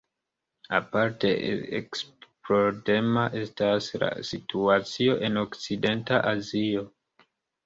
Aparte eksplodema estas la situacio en okcidenta Azio.